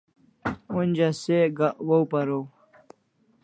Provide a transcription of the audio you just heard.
Onja se gak waw paraw